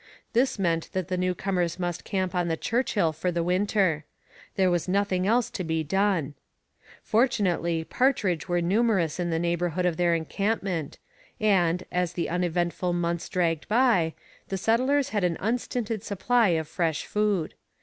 This meant that the newcomers must camp on the Churchill for the winter; there was nothing else to be done. Fortunately partridge were numerous in the neighbourhood of their encampment, and, as the uneventful months dragged by, the settlers had an unstinted supply of fresh food.